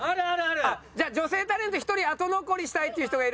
女性タレント１人後残りしたいっていう人がいるんで。